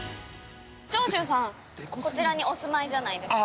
◆長州さん、こちらにお住まいじゃないですか。